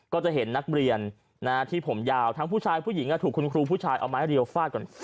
ก็จะเห็นนักเรียนที่ผมยาวทั้งผู้ชายผู้หญิงถูกคุณครูผู้ชายเอาไม้เรียวฟาดก่อน